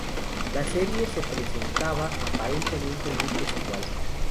La serie se presentaba aparentemente muy desigual.